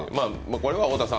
これは太田さん